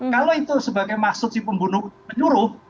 kalau itu sebagai maksud si penyuruh